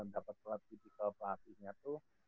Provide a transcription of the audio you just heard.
dapat pelatih pelatihnya tuh